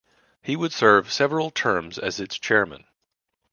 He would serve several terms as its chairman.